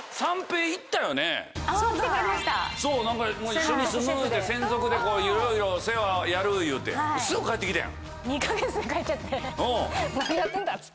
一緒に住むいうて専属でいろいろ世話やるいうてすぐ帰って来たやん。